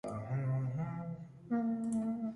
თავდაპირველად კვესტორები კონსულების თანაშემწეები იყვნენ.